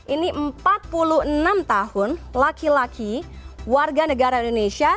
ini empat puluh enam tahun laki laki warga negara indonesia